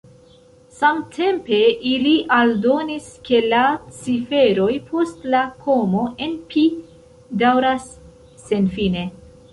Samtempe, ili aldonis, ke la ciferoj post la komo en pi daŭras senfine.